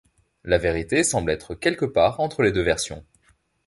La vérité semble être quelque part entre les deux versions.